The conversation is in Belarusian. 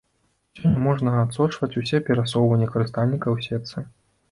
Сёння можна адсочваць усе перасоўванні карыстальніка ў сетцы.